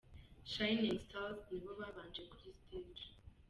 Shinning Stars nibo babanje kuri stage.